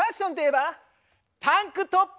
タンクトップ。